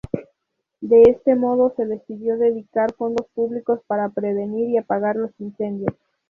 De este modo se decidió dedicar fondos públicos para prevenir y apagar los incendios.